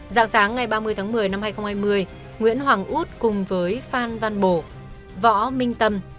dạng sáng ngày ba mươi tháng một mươi năm hai nghìn hai mươi nguyễn hoàng út cùng với phan văn bộ võ minh tâm